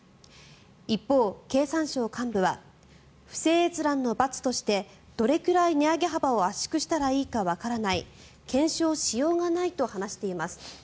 一方、経産省幹部は不正閲覧の罰としてどれくらい値上げ幅を圧縮したらいいかわからない検証しようがないと話しています。